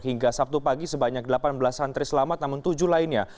hingga sabtu pagi sebanyak delapan belas santri selamat namun tujuh lainnya